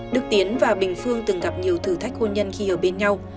đức tiến và bình phương từng gặp nhiều thử thách hôn nhân khi ở bên nhau